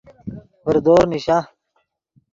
ڤردور نیشا